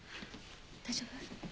大丈夫？